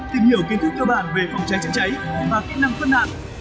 tìm hiểu kiến thức cơ bản về phòng cháy chạy cháy và kỹ năng phân nạn